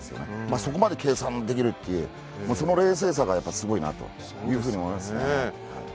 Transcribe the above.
そこまで計算できるというその冷静さがすごいなというふうに思いました。